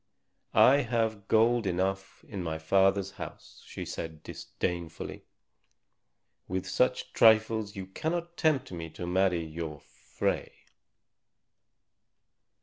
"I have gold enough in my father's house," she said disdainfully. "With such trifles you cannot tempt me to marry your Frey."